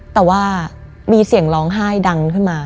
แต่ว่ามีเสียงร้องไห้ดังขึ้นมา